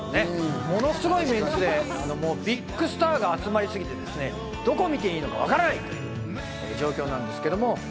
ものすごいメンツで、ビッグスターが集まりすぎて、どこを見ていいのかわからないっていう状況なんですけれども。